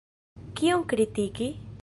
Kion kritiki?